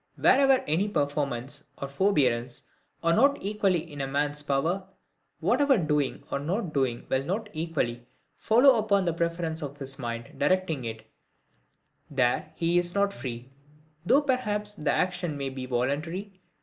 Wherever any performance or forbearance are not equally in a man's power; wherever doing or not doing will not equally FOLLOW upon the preference of his mind directing it, there he is not free, though perhaps the action may be voluntary.